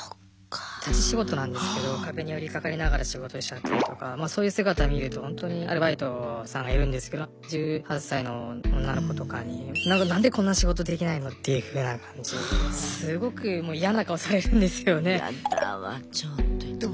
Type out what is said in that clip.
立ち仕事なんですけど壁に寄りかかりながら仕事しちゃったりとかそういう姿を見るとほんとにアルバイトさんがいるんですけど１８歳の女の子とかにっていうふうな感じですごく嫌な顔されるんですよね。